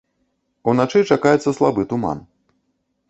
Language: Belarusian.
Уначы чакаецца слабы туман.